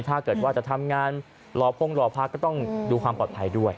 ถ้าเกิดว่าจะทำงานรอพงหล่อพักก็ต้องดูความปลอดภัยด้วย